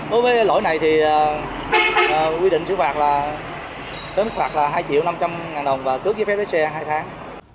đối với lỗi này thì quy định xử phạt là hai triệu năm trăm linh ngàn đồng và cướp giấy phép lấy xe hai tháng